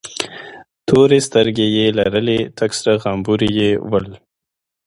تورې سترگې يې لرلې، تک سره غمبوري یې ول.